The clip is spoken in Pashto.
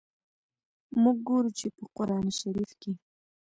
موږ ګورو چي، په قرآن شریف کي.